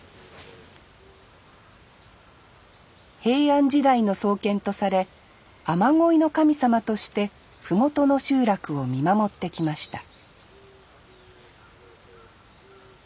平安時代の創建とされ雨乞いの神様として麓の集落を見守ってきました